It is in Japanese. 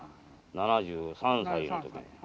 ７３歳の時に。